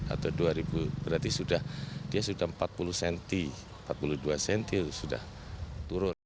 atau dua ribu berarti sudah dia sudah empat puluh cm empat puluh dua cm sudah turun